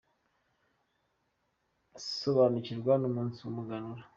Sobanukirwa n’umunsi w’umuganura